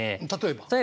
例えば？